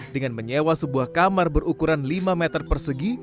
dengan menyewa sebuah kamar berukuran lima meter persegi